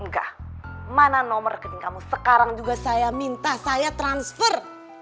enggak mana nomor rekening kamu sekarang juga saya minta saya transfer